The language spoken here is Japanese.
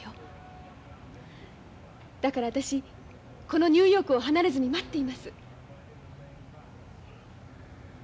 だから私このニューヨークを離れずに待っています。